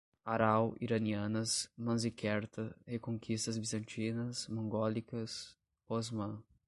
Aral, iranianas, Manziquerta, reconquistas bizantinas, mongólicas, Osmã